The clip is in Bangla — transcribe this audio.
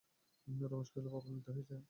রমেশ কহিল, বাবার মৃত্যু হইয়াছে।